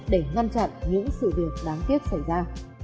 để ngăn chặn những sự việc đáng tiếc xảy ra